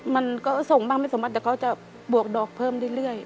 มันก็ส่งบ้างไม่สมมติแต่เขาจะบวกดอกเพิ่มเรื่อย